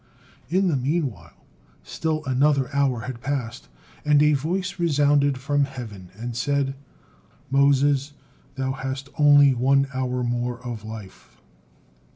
In the meanwhile still another hour had passed, and a voice resounded from heaven and said, "Moses, thou hast only one hour more of life!"